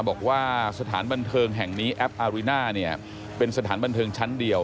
บอกว่าสถานบันเทิงแห่งนี้แอปอาริน่าเนี่ยเป็นสถานบันเทิงชั้นเดียว